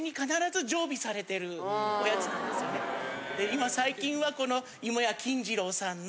今最近はこの。